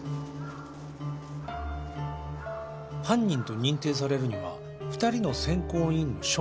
犯人と認定されるには２人の選考委員の承認が必要なんだ